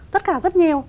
tất cả rất nhiều